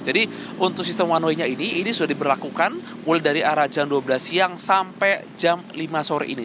jadi untuk sistem one waynya ini ini sudah diberlakukan mulai dari arah jam dua belas siang sampai jam lima sore ini